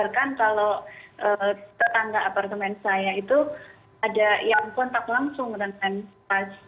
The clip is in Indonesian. kalau tetangga apartemen saya itu ada yang kontak langsung dengan orang yang positif gitu